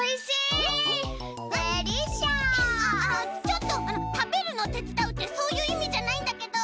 ちょっとあのたべるのをてつだうってそういういみじゃないんだけど。